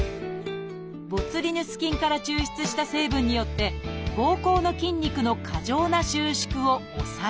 ボツリヌス菌から抽出した成分によってぼうこうの筋肉の過剰な収縮を抑えます。